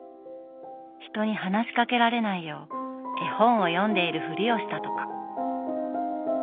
人に話しかけられないよう絵本を読んでいるふりをしたとか。